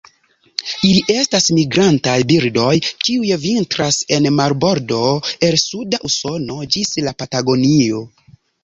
Ili estas migrantaj birdoj kiuj vintras en marbordo el suda Usono ĝis la Patagonio.